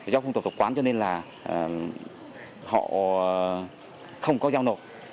do phương tộc tộc quán cho nên là họ không có giao nộp